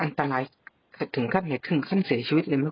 อันตรายคือถึงขั้นสีชีวิตเลยหรือไหม